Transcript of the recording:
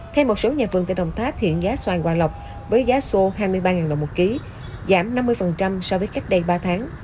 theo một số nhà vườn tại đồng tháp hiện giá xoay hòa lọc với giá xô hai mươi ba ngàn đồng một ký giảm năm mươi so với cách đây ba tháng